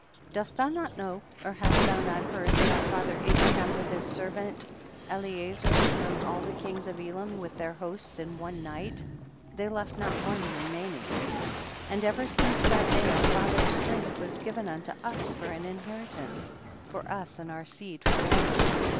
60. Dost thou not know or hast thou not heard that our father Abra ham with his servant Eliezer smote all the kings of Elam with their hosts in one night, they left not one remaining ? and ever since that day our father's strength was given unto us for an inheritance, for us and our seed forever.